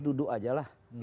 duduk aja lah